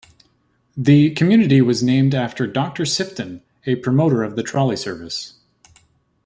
The community was named after Doctor Sifton, a promoter of the trolley service.